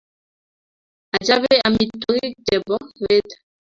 Achape amitwokik chepo beet